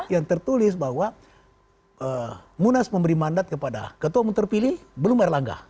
yang tertulis bahwa munas memberi mandat kepada ketua umum terpilih belum erlangga